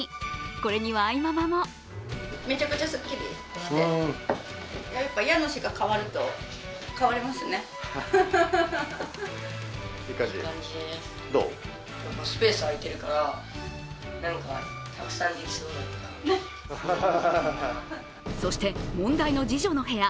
これには愛ママもそして問題の次女の部屋。